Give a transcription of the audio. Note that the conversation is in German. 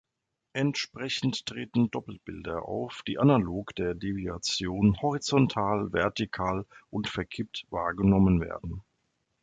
Entsprechend treten Doppelbilder auf, die analog der Deviation horizontal, vertikal und verkippt wahrgenommen werden.